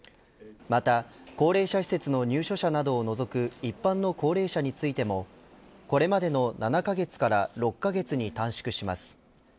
また高齢者施設の入所者などを除く一般の高齢者についてもこれまでの７カ月から６カ月に短縮します。